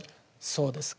そうです。